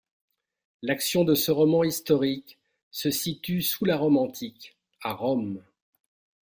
L'action de ce roman historique se situe sous la Rome antique, à Rome.